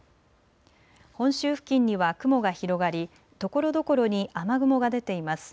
本州付近には雲が広がりところどころに雨雲が出ています。